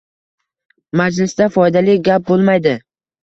Majlisdafoydali gap bo`lmaydi